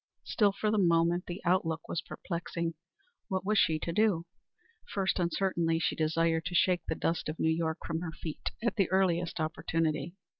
Still, for the moment, the outlook was perplexing. What was she to do? First, and certainly, she desired to shake the dust of New York from her feet at the earliest opportunity.